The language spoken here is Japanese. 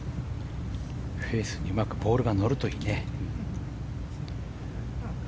フェースにうまくボールが乗るといいね。